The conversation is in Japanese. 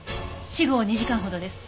死後２時間ほどです。